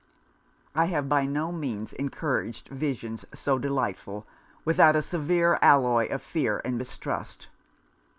'I have by no means encouraged visions so delightful, without a severe alloy of fear and mistrust.